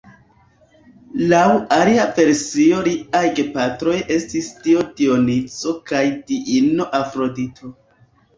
Laŭ alia versio liaj gepatroj estis dio Dionizo kaj diino Afrodito.